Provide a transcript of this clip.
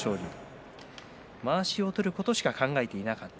まわしを取ることしか考えていなかった